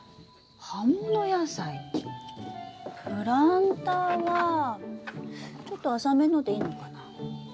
プランターはちょっと浅めのでいいのかな。